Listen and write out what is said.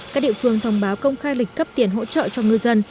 các địa phương thông báo công khai lịch cấp tiền hỗ trợ cho ngư dân